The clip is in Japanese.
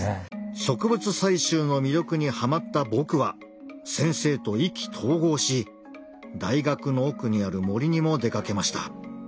植物採集の魅力にハマった僕は先生と意気投合し大学の奥にある森にも出かけました。